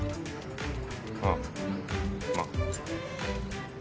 ああまあ。